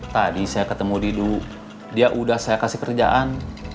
tadi saya ketemu didu dia udah saya kasih kerjaan